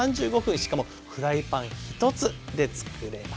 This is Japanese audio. しかもフライパン１つでつくれます。